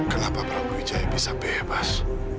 kenapa prabowo wijaya bisa bebas